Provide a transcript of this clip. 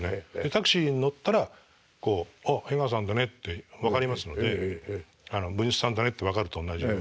タクシーに乗ったらこう「あ江川さんだね」って分かりますので「文枝さんだね」って分かると同じように。